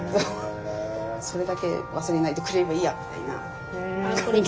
それだけ忘れないでくれればいいやみたいな感じで。